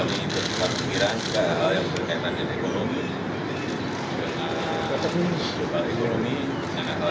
tidak karena sangat mahal harganya bagi negara besar cuma berbeda dengan indonesia